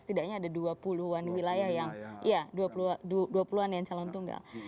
setidaknya ada dua puluh an yang calon tunggal